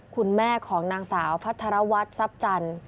คุณแม่ของนางสาวพัทรวัตรจันทร์